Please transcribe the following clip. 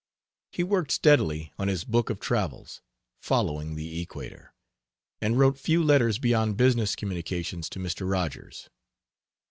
He worked steadily on his book of travels, 'Following the Equator', and wrote few letters beyond business communications to Mr. Rogers.